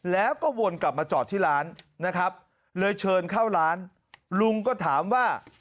แล้วก็วนกลับมาจอดที่ร้านนะครับเลยเชิญเข้าร้านลุงก็ถามว่า